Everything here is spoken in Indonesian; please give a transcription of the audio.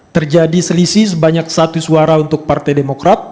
terjadi selisih sebanyak satu suara untuk partai demokrat